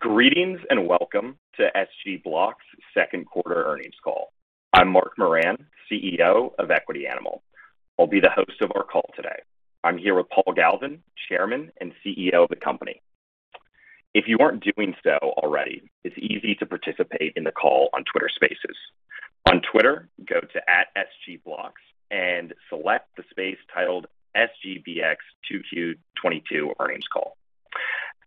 Greetings and welcome to SG Blocks second quarter earnings call. I'm Mark Moran, CEO of Equity Animal. I'll be the host of our call today. I'm here with Paul Galvin, Chairman and CEO of the company. If you aren't doing so already, it's easy to participate in the call on Twitter Spaces. On Twitter, go to @sgblocks and select the space titled SGBX 2Q 2022 earnings call.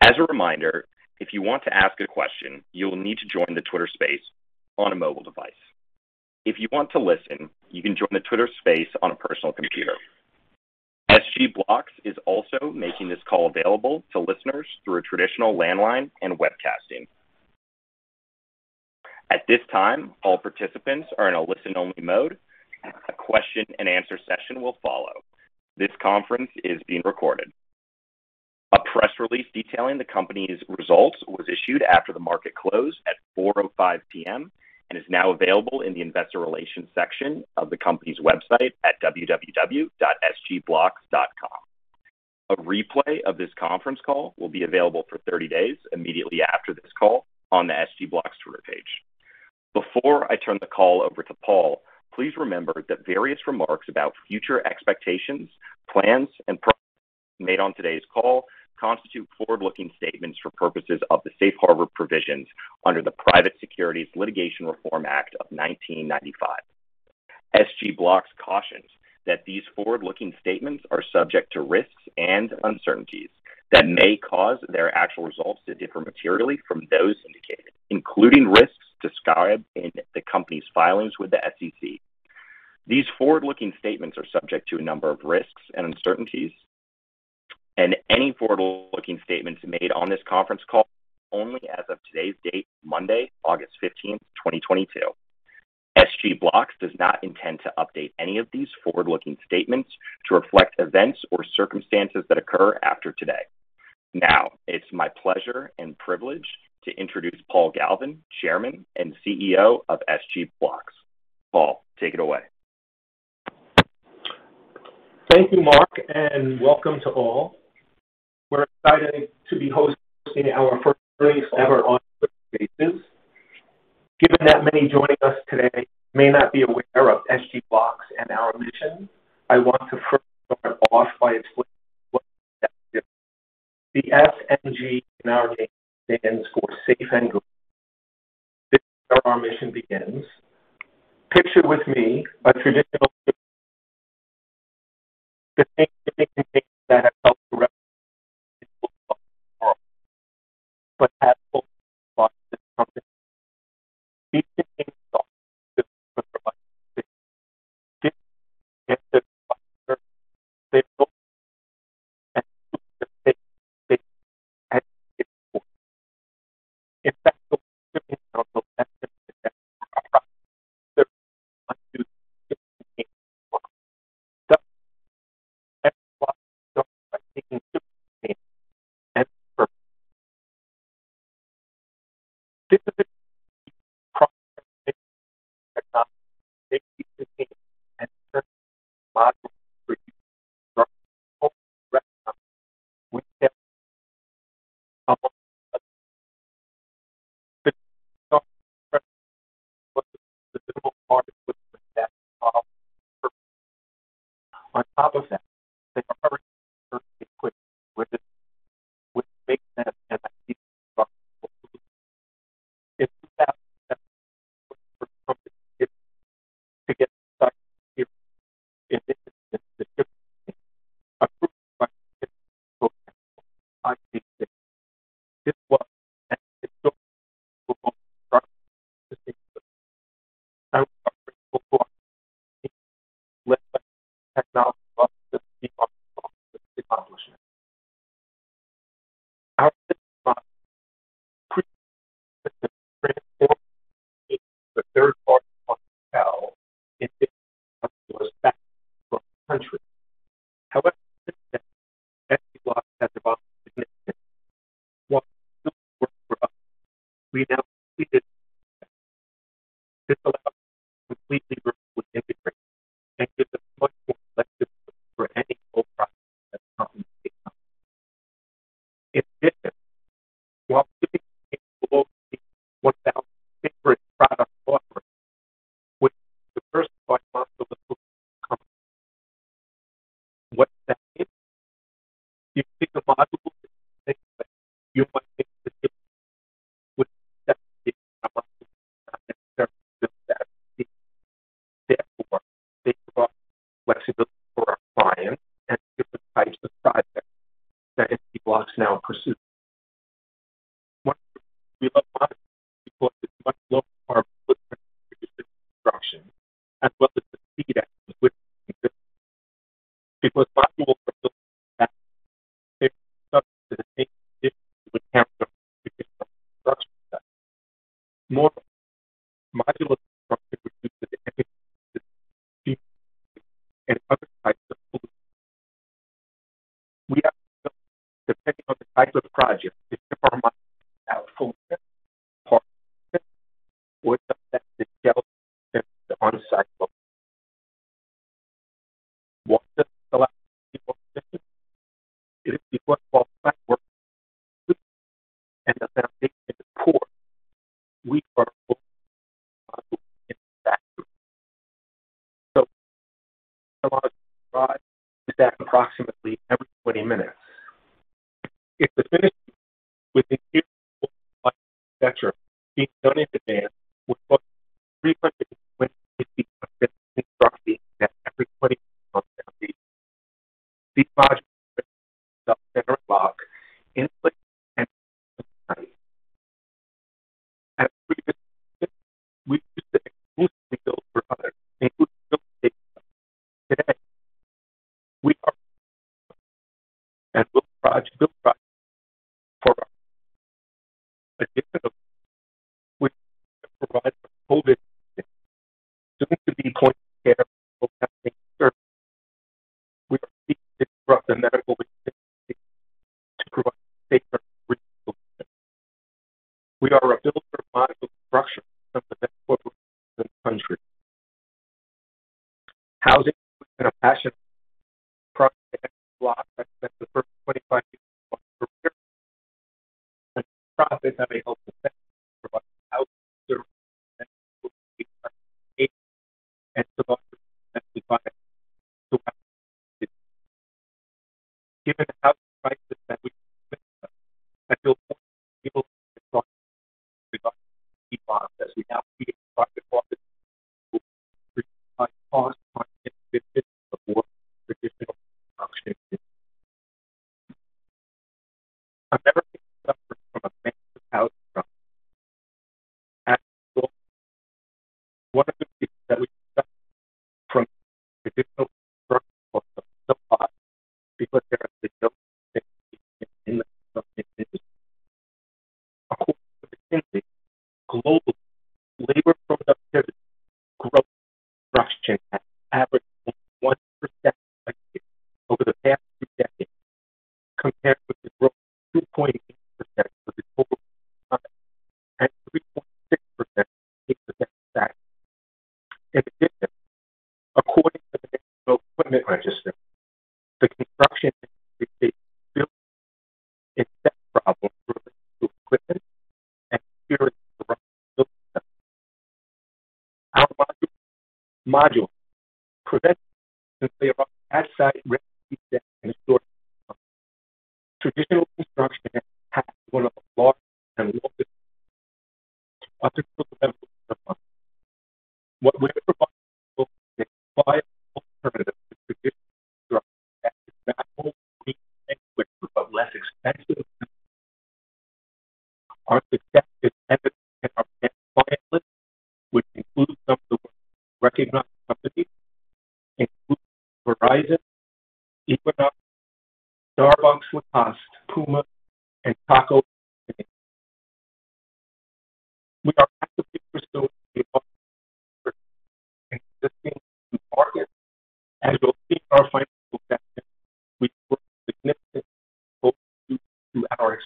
As a reminder, if you want to ask a question, you will need to join the Twitter Spaces on a mobile device. If you want to listen, you can join the Twitter Spaces on a personal computer. SG Blocks is also making this call available to listeners through a traditional landline and webcasting. At this time, all participants are in a listen-only mode. A question-and-answer session will follow. This conference is being recorded. A press release detailing the company's results was issued after the market closed at 4:05 P.M., and is now available in the investor relations section of the company's website at www.sgblocks.com. A replay of this conference call will be available for 30 days immediately after this call on the SG Blocks Twitter page. Before I turn the call over to Paul Galvin, please remember that various remarks about future expectations, plans and prospects made on today's call constitute forward-looking statements for purposes of the safe harbor provisions under the Private Securities Litigation Reform Act of 1995. SG Blocks cautions that these forward-looking statements are subject to risks and uncertainties that may cause their actual results to differ materially from those indicated, including risks described in the company's filings with the SEC. These forward-looking statements are subject to a number of risks and uncertainties, and any forward-looking statements made on this conference call only as of today's date, Monday, August 15th, 2022. SG Blocks does not intend to update any of these forward-looking statements to reflect events or circumstances that occur after today. Now it's my pleasure and privilege to introduce Paul Galvin, Chairman and CEO of SG Blocks. Paul, take it away. Thank you, Mark, and welcome to all. We're excited to be hosting our first earnings ever on Twitter Spaces. Given that many joining us today may not be aware of SG Blocks and our mission, I want to first start off by explaining what that is. The S&G in our name stands for Safe and Green. This is where our mission begins. Picture with me the same things that have helped, too, but have also lost its promise. These same things also. In fact, those same things have the potential to cause. That's why SG Blocks is taking a different approach. This is a unique cross economy, making it unique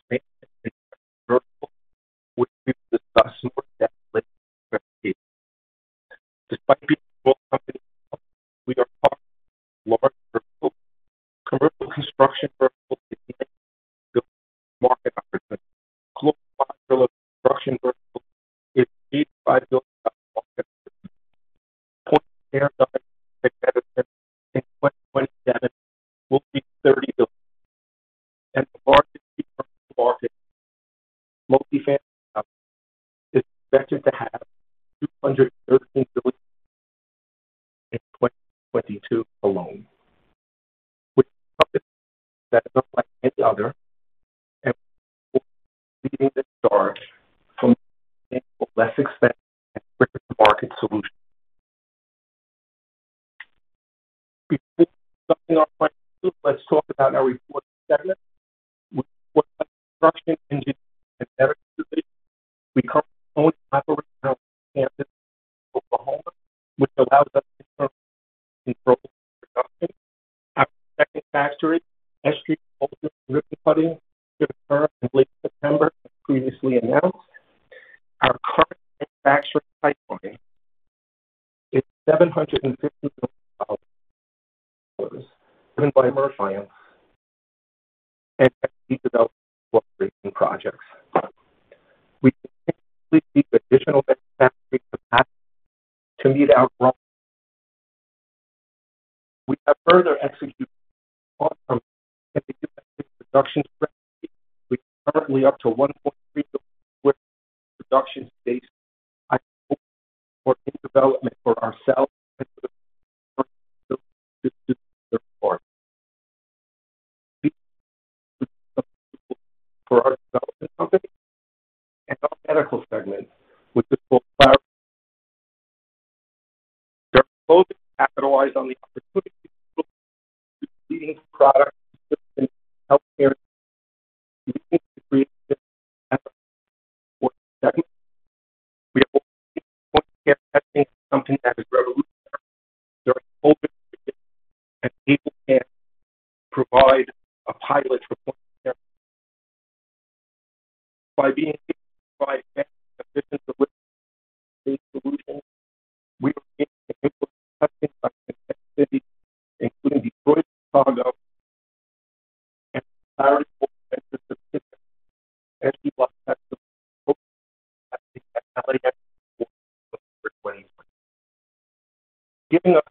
clients identified for in development for ourselves and for third parties to support. We see significant potential for our development company and our medical segment with the full power. We are focused to capitalize on the opportunity to lead product and systems healthcare solutions. We think we create a different path forward. Second, we are focused on point-of-care testing, something that is revolutionary. We are focused on being able to provide a pilot for point-of-care by being able to provide fast and efficient delivery of state solutions. We have been able to touch base on cities including Detroit, Chicago, and the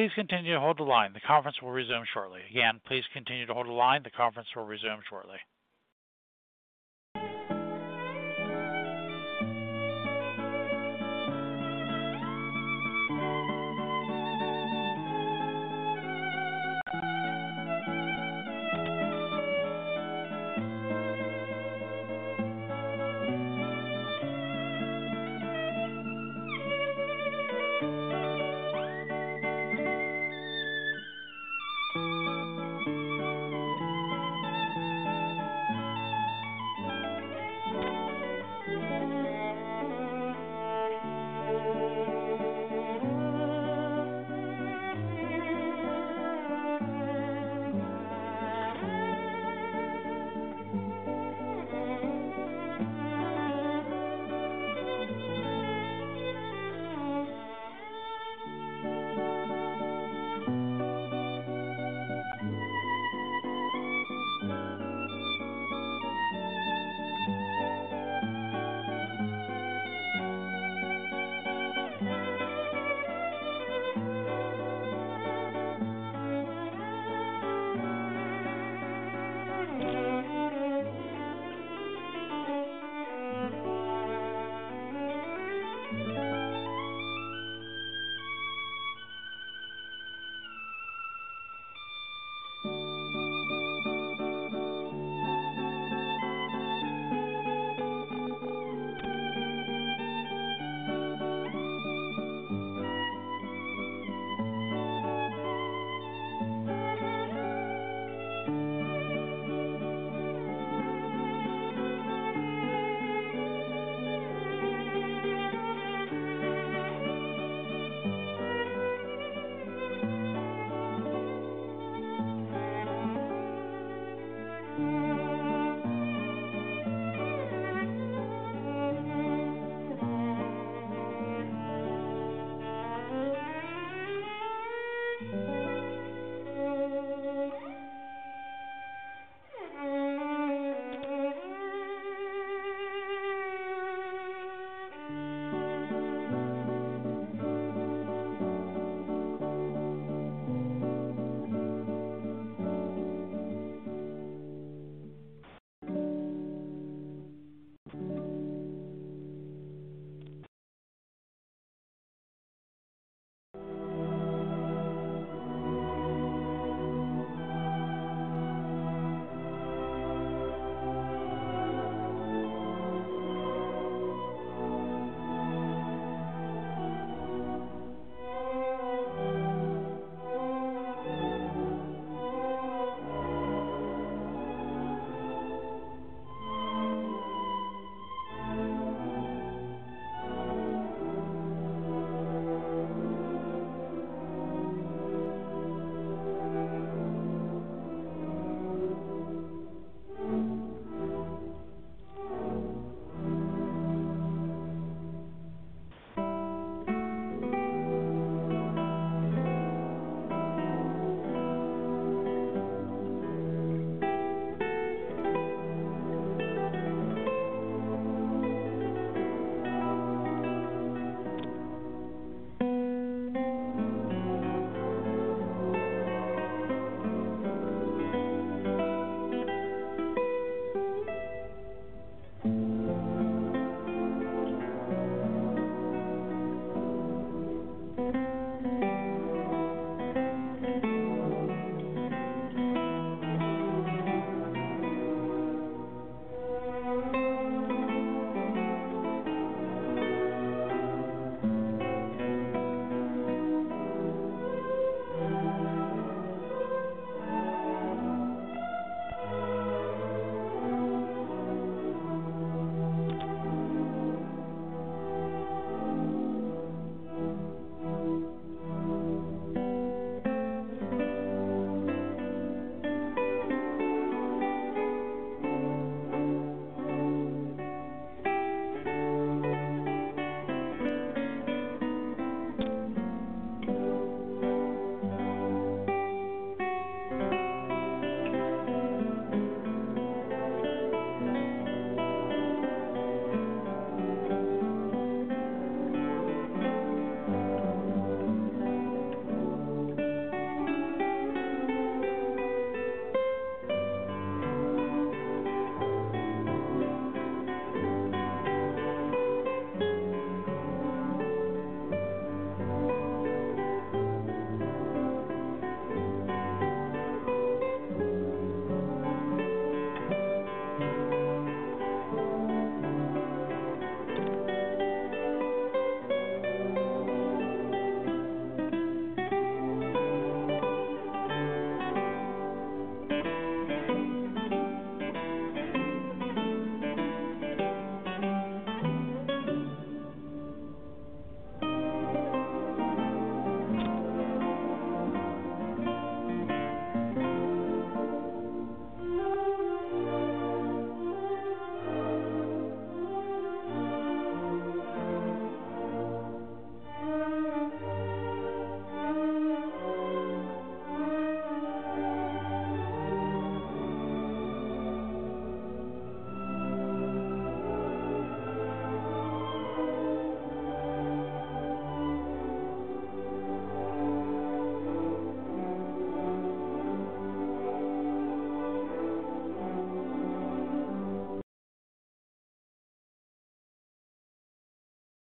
Please continue to hold the line. The conference will resume shortly.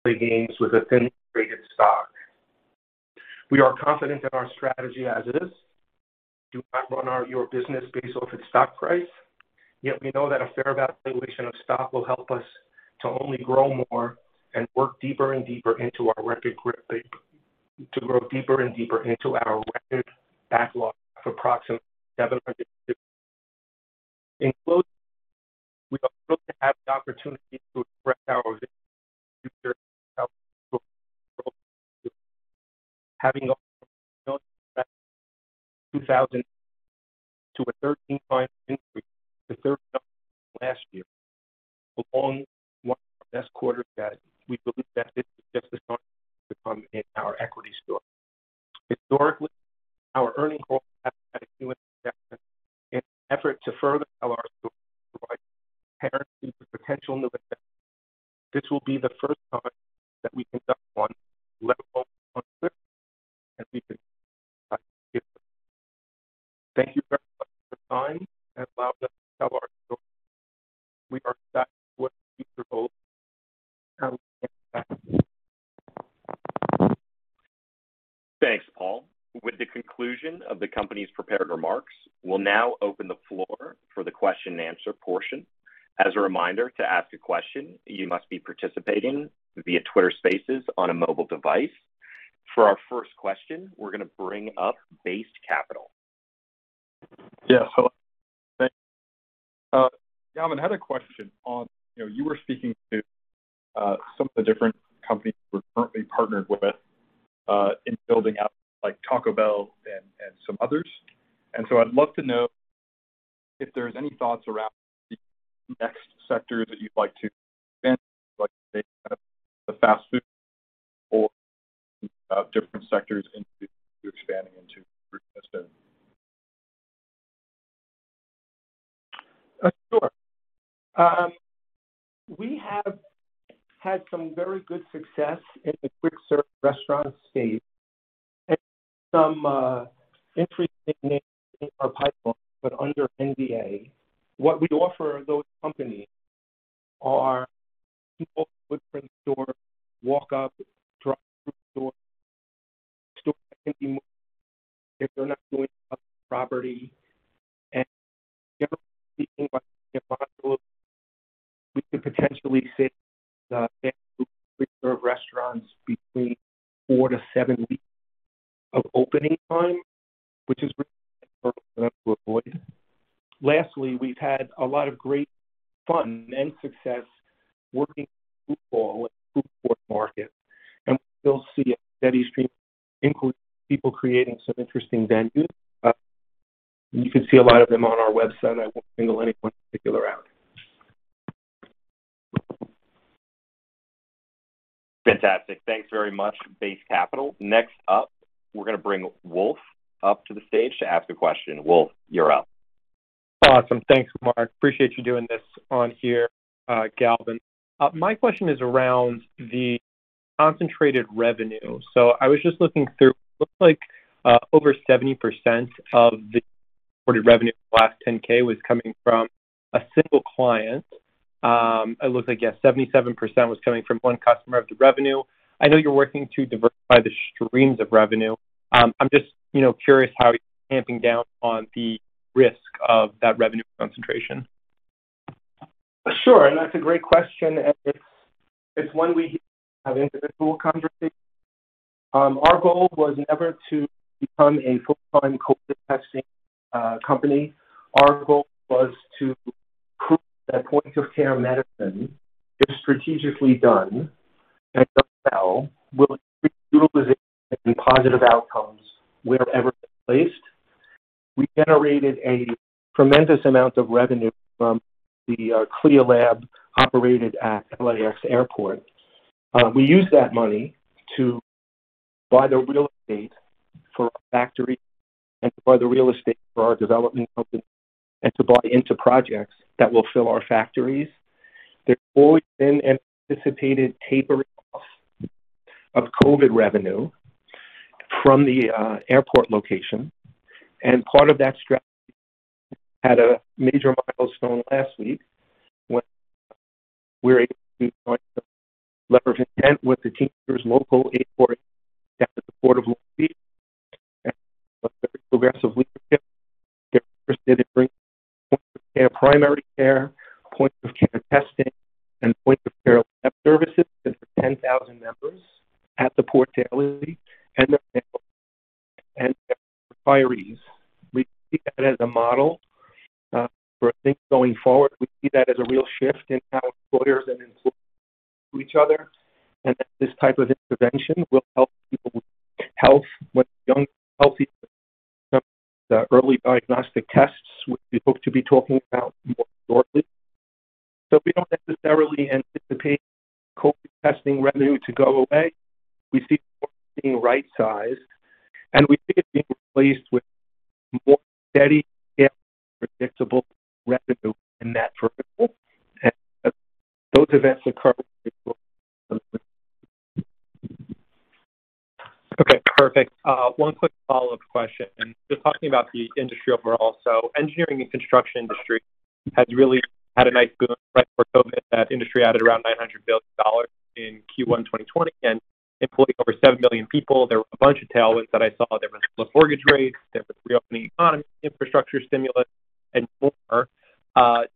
Again, please continue to hold the line. The conference will resume shortly. Gains with a thinly traded stock. We are confident in our strategy as it is. Do not run your business based off its stock price. Yet we know that a fair valuation of stock will help us to only grow more, to grow deeper and deeper into our record backlog of approximately 750. In closing, we are thrilled to have the opportunity to express our vision for the future of our global growth, having a 200% to a 13-time increase in third quarter last year, along with our best quarter to date. We believe that this is just the start to come in our equity story. Historically, our earnings calls have had a new investment in an effort to further our story to provide transparency to potential new investors. This will be the first time that we conduct one level of conflict as we think about the future. Thank you very much for your time and allowing us to tell our story. We are excited for what the future holds and how we can impact it. Thanks, Paul. With the conclusion of the company's prepared remarks, we'll now open the floor for the question and answer portion. As a reminder, to ask a question, you must be participating via Twitter Spaces on a mobile device. For our first question, we're going to bring up Base Capital. Yeah. Hello. Thanks. Galvin, I had a question on, you know, you were speaking to some of the different companies we're currently partnered with in building out like Taco Bell and some others. I'd love to know if there's any thoughts around the next sector that you'd like to expand, like the fast food or different sectors into expanding into. Sure. We have had some very good success in the quick serve restaurant space and some interesting names in our pipeline, but under NDA. What we offer those companies are small footprint store, walk up, drive through store that can be if they're not doing property. Generally speaking, we can potentially site the fast food restaurants between four to seven weeks of opening time, which is really hard for them to avoid. Lastly, we've had a lot of great fun and success working with food hall and food court market, and we still see a steady stream, including people creating some interesting venues. You can see a lot of them on our website. I won't single any one particular out. Fantastic. Thanks very much, Base Capital. Next up, we're going to bring Wolf up to the stage to ask a question. Wolf, you're up. Awesome. Thanks, Mark. Appreciate you doing this on here, Galvin. My question is around the concentrated revenue. I was just looking through, looks like, over 70% of the reported revenue last 10-K was coming from a single client. It looks like, yes, 77% was coming from one customer of the revenue. I know you're working to diversify the streams of revenue. I'm just, you know, curious how you're tamping down on the risk of that revenue concentration. Sure. That's a great question, and it's one we have individual conversations. Our goal was never to become a full-time COVID testing company. Our goal was to prove that point-of-care medicine, if strategically done and done well, will increase utilization and positive outcomes wherever it's placed. We generated a tremendous amount of revenue from the CLIA lab operated at LAX Airport. We used that money to buy the real estate for our factory and to buy the real estate for our development company and to buy into projects that will fill our factories. There's always been anticipated tapering off of COVID revenue from the airport location. Part of that strategy had a major milestone last week when we were able to join forces with the Teamsters Local 848 down at the Port of Long Beach. Progressive leadership. They're interested in bringing point of care primary care, point of care testing, and point of care lab services to the 10,000 members at the port daily and their families and their retirees. We see that as a model for things going forward. We see that as a real shift in how employers and employees relate to each other. This type of intervention will help people with health, with young, healthy, early diagnostic tests, which we hope to be talking about more shortly. We don't necessarily anticipate COVID testing revenue to go away. We see it being right-sized, and we see it being replaced with more steady, predictable revenue in that vertical. Those events occur Okay, perfect. One quick follow-up question. Just talking about the industry overall. Engineering and construction industry has really had a nice boom, right? For COVID, that industry added around $900 billion in Q1 2020 and employed over 7 million people. There were a bunch of tailwinds that I saw. There was low mortgage rates, there was reopening economy, infrastructure stimulus, and more.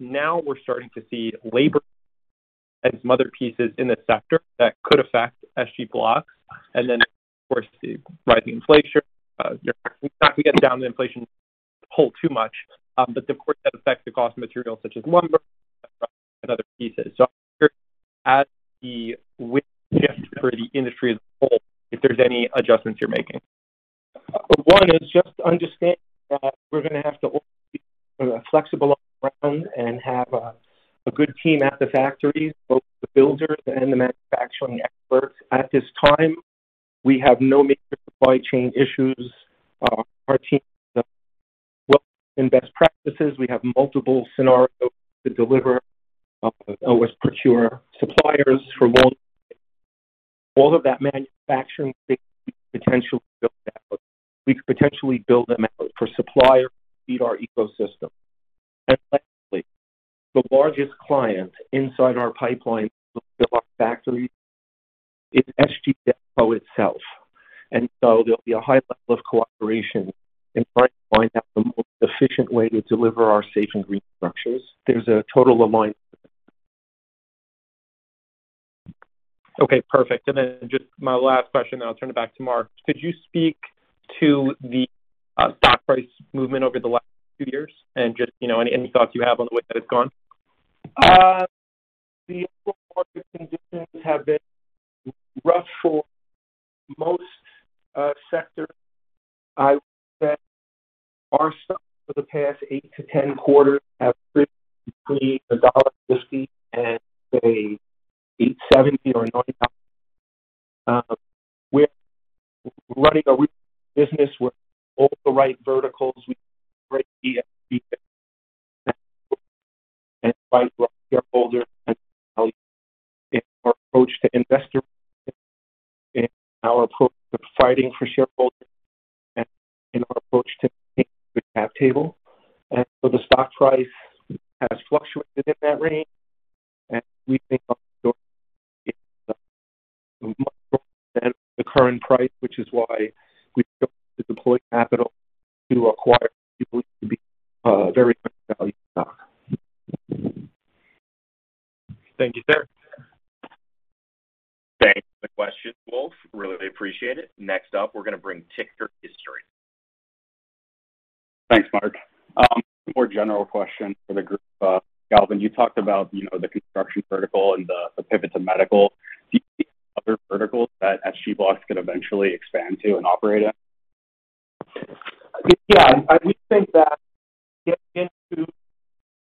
Now we're starting to see labor as other pieces in the sector that could affect SG Blocks. Then of course, the rising inflation. You're not gonna get down the inflation hole too much. But of course, that affects the cost of materials such as lumber and other pieces. So I'm curious as to which shift for the industry as a whole, if there's any adjustments you're making. One is just understanding that we're gonna have to always be flexible on the ground and have a good team at the factories, both the builders and the manufacturing experts. At this time, we have no major supply chain issues. Our team does well in best practices. We have multiple scenarios to deliver, always procure suppliers for volume. All of that manufacturing potential, we could potentially build them out for suppliers to feed our ecosystem. Lastly, the largest client inside our pipeline to build our factories is SG DevCo itself. There'll be a high level of cooperation in trying to find out the most efficient way to deliver our safe and green structures. There's a total alignment. Okay, perfect. Just my last question, then I'll turn it back to Mark. Could you speak to the stock price movement over the last few years and just, you know, any thoughts you have on the way that it's gone? The overall market conditions have been rough for most sectors. I would say our stock for the past eight to 10 quarters have been between $1.50 and say $8.70 or $9. We're running a business with all the right verticals. We have the right BPS. Our approach to investor, our approach to fighting for shareholders, and in our approach to the cap table. The stock price has fluctuated in that range. We think the current price, which is why we deploy capital to acquire people to be very value stock. Thank you, sir. Thanks for the question, Wolf. Really appreciate it. Next up, we're gonna bring Ticker History. Thanks, Mark. More general question for the group. Paul Galvin, you talked about, you know, the construction vertical and the pivot to medical. Do you see other verticals that SG Blocks could eventually expand to and operate in? Yeah. We think that getting into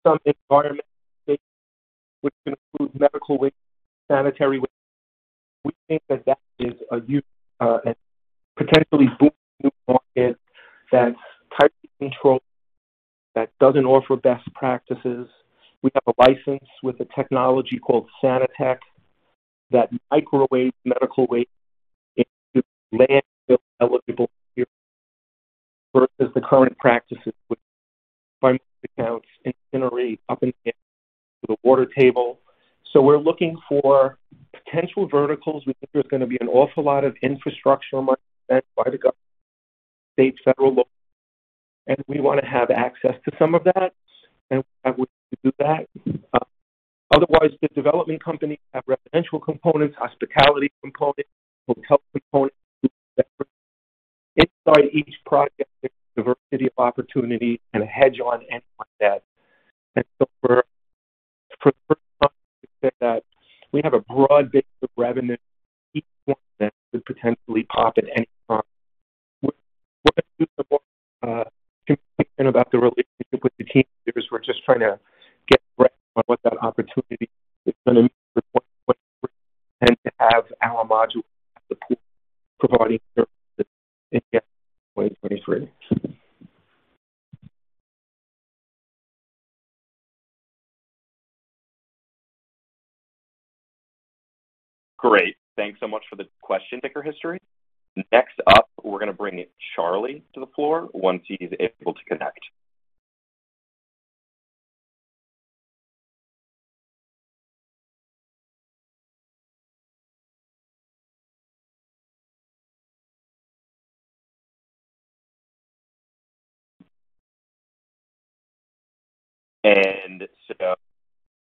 some environment, which includes medical waste, sanitary waste, we think that is a new and potentially booming new market that tightly controlled that doesn't offer best practices. We have a license with a technology called Sanitec that microwaves medical waste into landfill-eligible materials versus the current practices, which sometimes are incinerated up and down to the water table. We're looking for potential verticals. We think there's gonna be an awful lot of infrastructural money spent by the government, state, federal level, and we want to have access to some of that, and we have a way to do that. Otherwise, the development companies have residential components, hospitality components, hotel components. Inside each project, there's a diversity of opportunity and a hedge on any one bet. For the first time, we said that we have a broad base of revenue, each one that could potentially pop at any time. We're going to do some more thinking about the relationship with the Teamsters. We're just trying to get a grasp on what that opportunity is going to mean for 2023 and to have our module support providing services in 2023. Great. Thanks so much for the question, Ticker History. Next up, we're gonna bring Charlie to the floor once he's able to connect.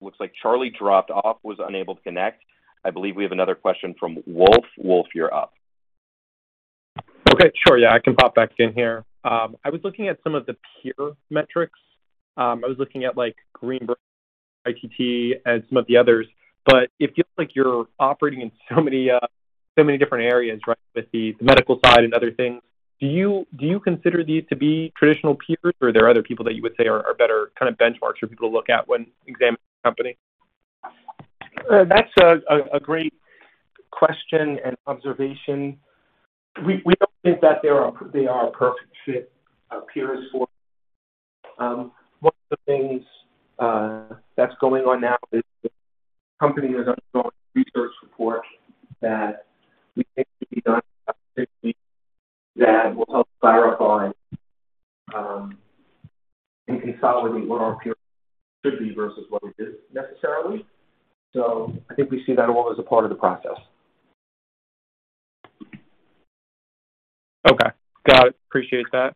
Looks like Charlie dropped off, was unable to connect. I believe we have another question from Wolf. Wolf, you're up. Okay. Sure. Yeah, I can pop back in here. I was looking at some of the peer metrics. I was looking at, like, Greenbrier, AECOM, and some of the others. It feels like you're operating in so many different areas, right, with the medical side and other things. Do you consider these to be traditional peers, or are there other people that you would say are better kind of benchmarks for people to look at when examining the company? That's a great question and observation. We don't think that they are a perfect fit of peers for us. One of the things that's going on now is the company is undergoing a research report that we think will be done in about six weeks that will help clarify and consolidate what our peers should be versus what it is necessarily. I think we see that all as a part of the process. Okay. Got it. Appreciate that.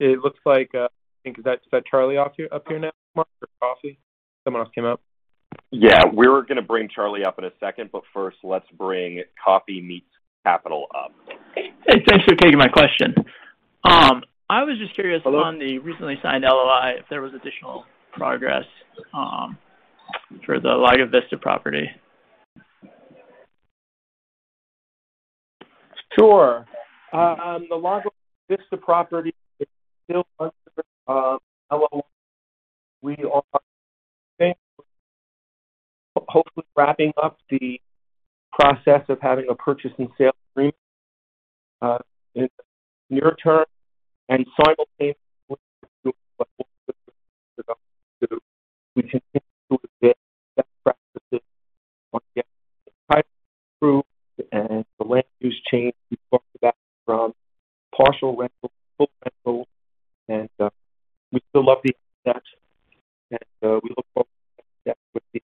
It looks like, I think, is that Charlie up here now, Mark, or Coffee? Someone else came up. Yeah. We were gonna bring Charlie up in a second, but first let's bring Coffee Meets Capital up. Hey, thanks for taking my question. I was just curious. Hello. on the recently signed LOI, if there was additional progress for the Lago Vista property. Sure. The Lago Vista property is still under LOI. We are hopefully wrapping up the process of having a purchase and sale agreement in the near term. We continue to advance best practices on getting the title approved and the land use change. We've talked about that from partial rental to full rental. We still love the asset. We look forward to working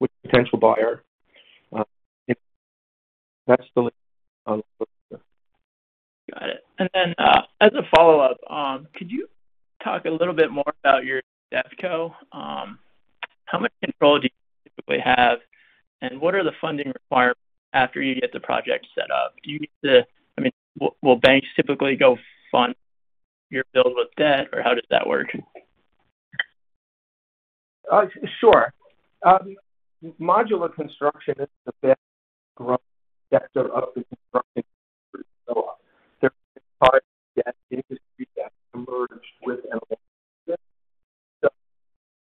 with the potential buyer. That's the latest on Lago Vista. Got it. As a follow-up, could you talk a little bit more about your DevCo? How much control do you typically have, and what are the funding requirements after you get the project set up? Will banks typically go fund your build with debt, or how does that work? Sure. Modular construction is the fastest growing sector of the construction industry to go up. There are parts of the industry that have merged with MLF.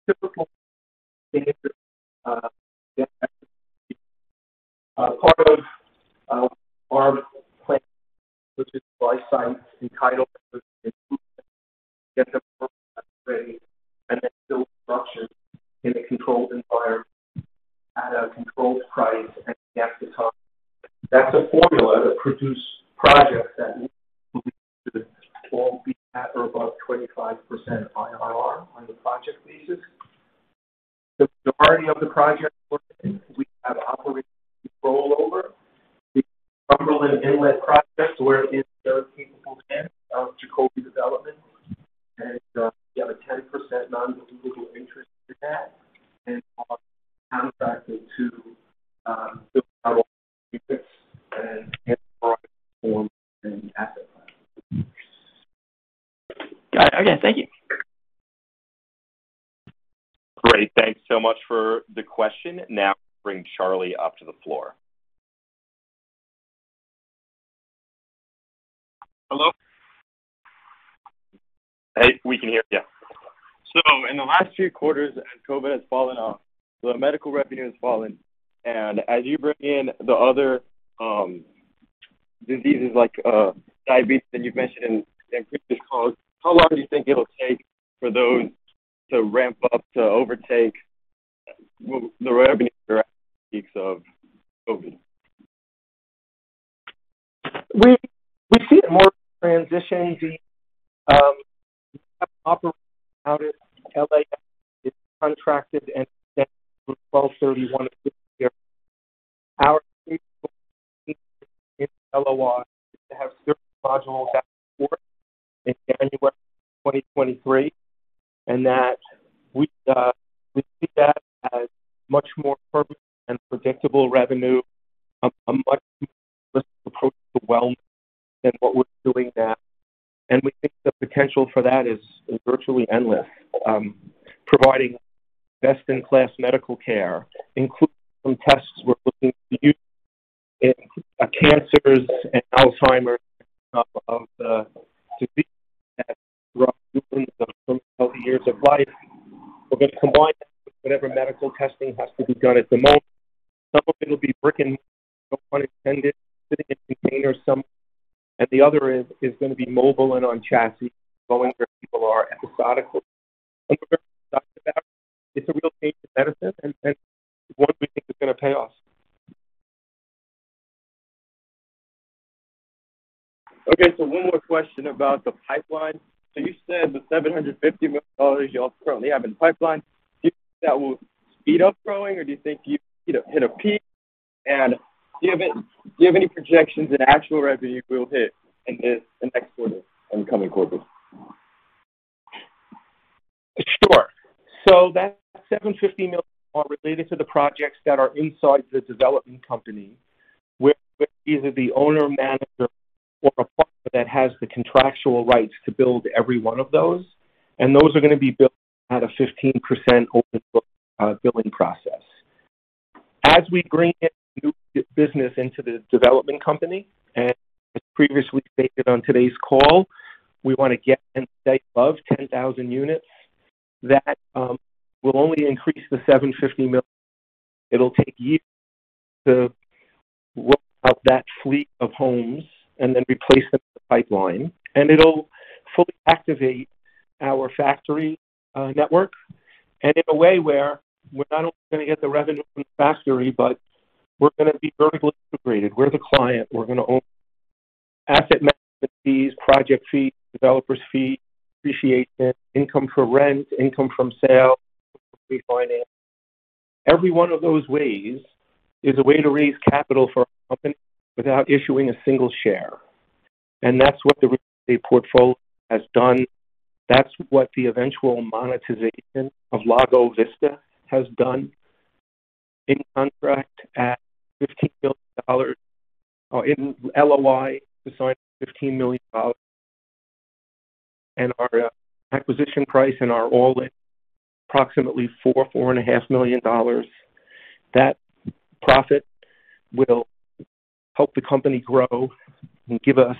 Typical standard debt metrics would be part of our plan, which is buy sites, entitle them, and then get the permit ready, and then build the structure in a controlled environment at a controlled price and an exit time. That's a formula to produce projects that we believe should all be at or above 25% IRR on a project basis. The majority of the projects we're in, we have operating rollover. The Cumberland Inlet project, where it is the capable hand of Jacoby Development. We have a 10% non-reciprocal interest in that and are contracted to build out all the units and get the project performed in the asset class. Got it. Okay. Thank you. Great. Thanks so much for the question. Now let's bring Charlie up to the floor. Hello? Hey, we can hear you. In the last few quarters as COVID has fallen off, the medical revenue has fallen. As you bring in the other, Diseases like diabetes that you've mentioned in previous calls, how long do you think it'll take for those to ramp up to overtake the revenue peaks of COVID? We see it more transitioning to operating out of L.A. It's contracted and December 31 of this year. Our LOI is to have certain modules at port in January of 2023, and that we see that as much more permanent and predictable revenue, a much approach to wealth than what we're doing now. We think the potential for that is virtually endless. Providing best in class medical care, including some tests we're looking to use in cancers and Alzheimer's, of the diseases that years of life. We're gonna combine that with whatever medical testing has to be done at the moment. Some of it'll be brick-and-mortar, intended, sitting in containers some. The other is gonna be mobile and on chassis, going where people are episodically. We're very excited about it. It's a real change in medicine, and one we think is gonna pay off. Okay, one more question about the pipeline. You said the $750 million y'all currently have in the pipeline, do you think that will speed up growing or do you think you hit a peak? Do you have any projections in actual revenue you will hit in this next quarter and coming quarters? Sure. That $750 million are related to the projects that are inside the development company. We're either the owner, manager or a partner that has the contractual rights to build every one of those. Those are gonna be built at a 15% open book billing process. As we bring in new business into the development company, and as previously stated on today's call, we wanna get inside above 10,000 units. That will only increase the $750 million. It'll take years to roll out that fleet of homes and then replace them with the pipeline. It'll fully activate our factory network. In a way where we're not only gonna get the revenue from the factory, but we're gonna be vertically integrated. We're the client. We're gonna own asset management fees, project fees, development fees, appreciation, income from rent, income from sale, refinance. Every one of those ways is a way to raise capital for our company without issuing a single share. That's what the real estate portfolio has done. That's what the eventual monetization of Lago Vista has done. In contract at $15 billion or in LOI to sign $15 million. Our acquisition price and our all-in, approximately $4.5 million. That profit will help the company grow and give us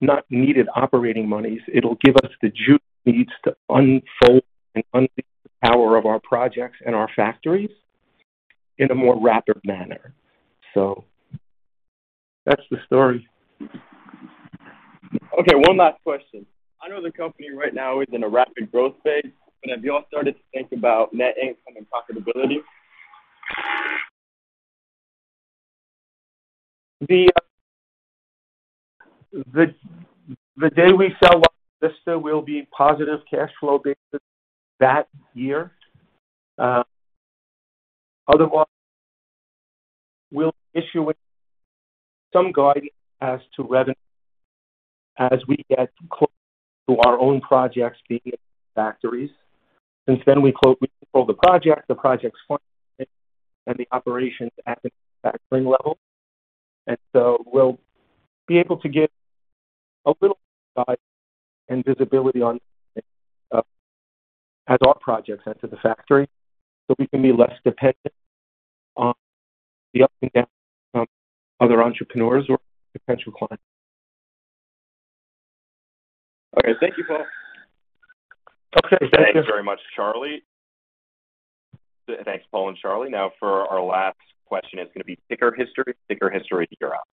much-needed operating monies. It'll give us the juice we need to unfold and unleash the power of our projects and our factories in a more rapid manner. That's the story. Okay, one last question. I know the company right now is in a rapid growth phase, but have you all started to think about net income and profitability? The day we sell Lago Vista will be positive cash flow basis that year. Otherwise, we'll be issuing some guidance as to revenue as we get closer to our own projects being in factories. Since then, we control the project, the project's financing, and the operations at the factory level. We'll be able to give a little guidance and visibility on as our projects enter the factory, so we can be less dependent on the up and down of other entrepreneurs or potential clients. Okay. Thank you, Paul. Okay. Thank you very much, Charlie. Thanks, Paul and Charlie. Now for our last question, it's gonna be Ticker History. Ticker History, you're up.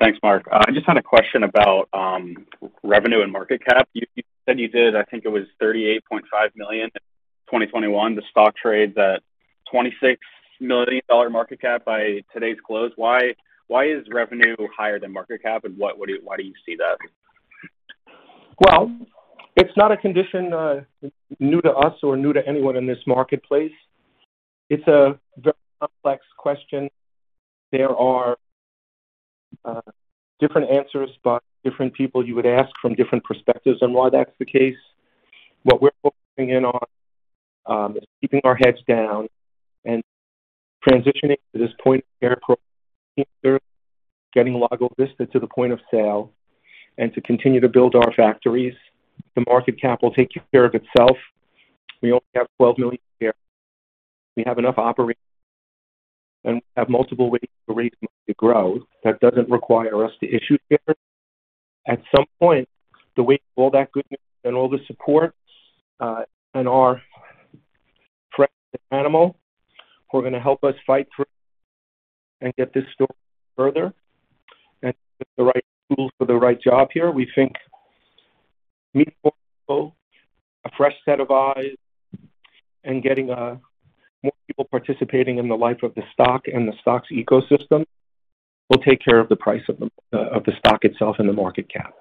Thanks, Mark. I just had a question about revenue and market cap. You said you did, I think it was $38.5 million in 2021. The stock trades at $26 million market cap by today's close. Why is revenue higher than market cap, and why do you see that? Well, it's not a condition new to us or new to anyone in this marketplace. It's a very complex question. There are different answers by different people you would ask from different perspectives on why that's the case. What we're focusing in on is keeping our heads down and transitioning to this point of care, getting Lago Vista to the point of sale, and to continue to build our factories. The market cap will take care of itself. We only have 12 million shares. We have enough operating funds, and we have multiple ways to raise money to grow. That doesn't require us to issue shares. At some point, the weight of all that good news and all the support, and our friends at Equity Animal who are gonna help us fight through and get this story further, and get the right tools for the right job here. We think new portfolio, a fresh set of eyes, and getting, more people participating in the life of the stock and the stock's ecosystem will take care of the price of the stock itself and the market cap.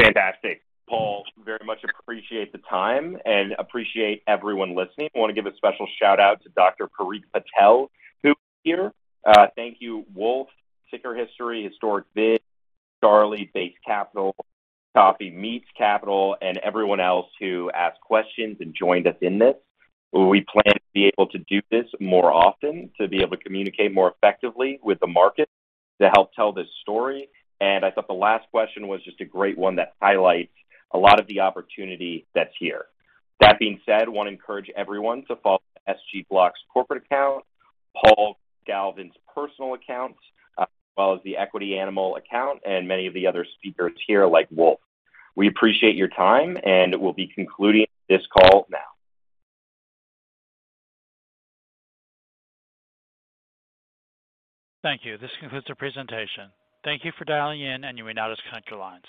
Fantastic. Paul, very much appreciate the time and appreciate everyone listening. Wanna give a special shout out to Dr. Parikh Patel, who is here. Thank you Wolf, Ticker History, Historic Bids, Charlie, Base Capital, Coffee Meets Capital, and everyone else who asked questions and joined us in this. We plan to be able to do this more often, to be able to communicate more effectively with the market to help tell this story. I thought the last question was just a great one that highlights a lot of the opportunity that's here. That being said, wanna encourage everyone to follow the SG Blocks corporate account, Paul Galvin's personal account, as well as the Equity Animal account and many of the other speakers here like Wolf. We appreciate your time, and we'll be concluding this call now. Thank you. This concludes the presentation. Thank you for dialing in, and you may now disconnect your lines.